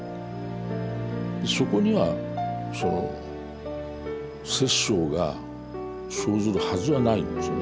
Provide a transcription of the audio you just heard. そこにはその殺生が生ずるはずはないんですよね。